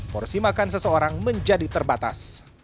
porsi makan seseorang menjadi terbatas